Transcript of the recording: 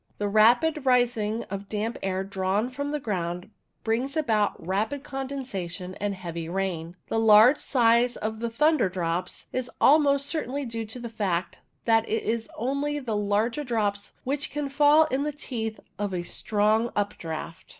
The rapid rising of damp air drawn from the ground brings about rapid condensation and heavy rain. The large size of thunder drops is almost certainly due to the fact that it is only the larger drops which can fall in the teeth of the strong updraught.